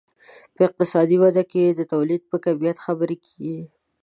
په اقتصادي وده کې د تولید په کمیت خبرې کیږي.